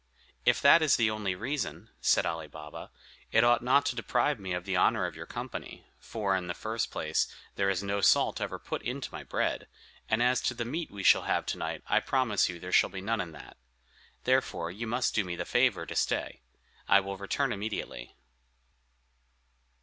"If that is the only reason," said Ali Baba, "it ought not to deprive me of the honor of your company; for, in the first place, there is no salt ever put into my bread, and as to the meat we shall have to night, I promise you there shall be none in that. Therefore you must do me the favor to stay. I will return immediately."